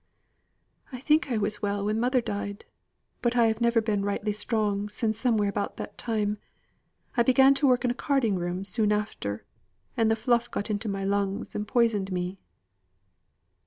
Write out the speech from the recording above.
"I think I was well when mother died, but I have never been rightly strong sin' somewhere about that time. I began to work in a carding room soon after, and the fluff got into my lungs, and poisoned me."